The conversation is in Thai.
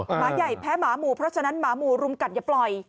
หมาใหญ่แพ้หมาหมู่เพราะฉะนั้นหมาหมู่รุมกัดอย่าปล่อย